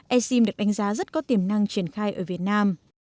e sim được đánh giá rất có tiềm năng triển khai ở việt nam